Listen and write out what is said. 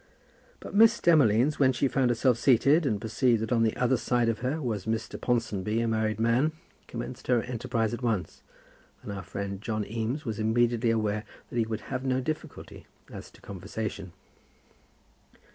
But Miss Demolines, when she found herself seated, and perceived that on the other side of her was Mr. Ponsonby, a married man, commenced her enterprise at once, and our friend John Eames was immediately aware that he would have no difficulty as to conversation.